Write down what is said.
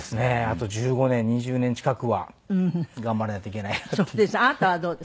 あと１５年２０年近くは頑張らないといけないなっていう。